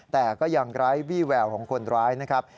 แต่ก็ยังไร้วี่แววของคนร้ายนะครับ